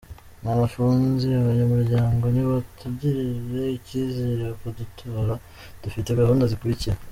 Mwanafunzi: Abanyamuryango nibatugirira icyizere bakadutora, dufite gahunda zikurikira:.